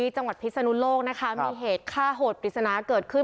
พิศนุโลกนะคะมีเหตุฆ่าโหดปริศนาเกิดขึ้น